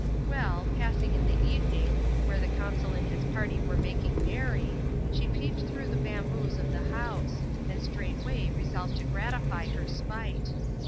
. Well, passing in the evening, where the consul and his party were making merry, she peeped through the bamboos of the hopse; and straightway resolved to gratify her spite.